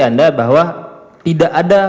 anda bahwa tidak ada